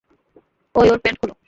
এই ওর প্যান্ট খুলো।